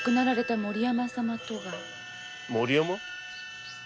森山